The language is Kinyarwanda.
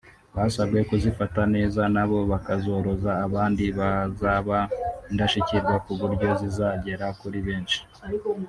basabwe kuzifata neza na bo bakazoroza abandi bazaba indashyikirwa ku buryo zizagera kuri benshi